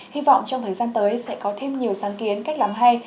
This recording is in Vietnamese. hy vọng trong thời gian tới sẽ có thêm nhiều sáng kiến cách làm hay